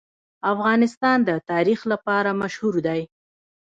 افغانستان د تاریخ لپاره مشهور دی.